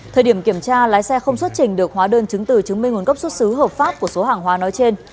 thời điểm kiểm tra lái xe không xuất trình được hóa đơn chứng từ chứng minh nguồn gốc xuất xứ hợp pháp của số hàng hóa nói trên